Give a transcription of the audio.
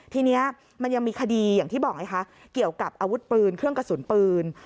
ทีนี้มันยังมีคดีอย่างที่บอกไงคะเกี่ยวกับอาวุธปืนเครื่องกระสุนปืน